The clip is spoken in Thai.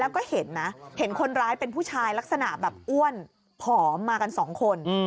แล้วก็เห็นนะเห็นคนร้ายเป็นผู้ชายลักษณะแบบอ้วนผอมมากันสองคน